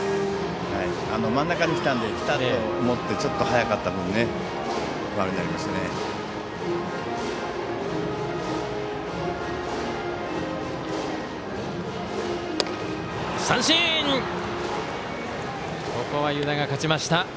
真ん中に来たので来た！と思ってちょっと早かった分ファウルになりましたね。